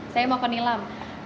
saya mau ke nilam